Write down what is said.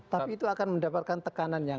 tapi itu akan mendapatkan tekanan yang